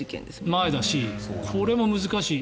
前だし、これも難しい。